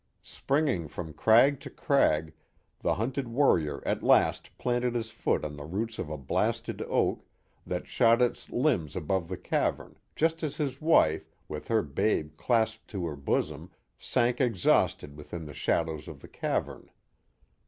Springing from crag to crag, the hunted warrior at last planted his foot on the roots of a blasted oak, that shot its limbs above the cavern, just as his wife, with her babe clasped to her bosom, sank exhausted within the shadows of the cavern.